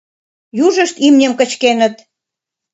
Южышт имньым кычкеныт.